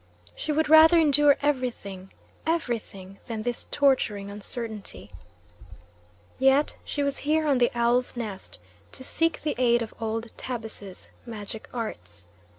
She would rather endure everything, everything, than this torturing uncertainty. Yet she was here on the Owl's Nest to seek the aid of old Tabus's magic arts.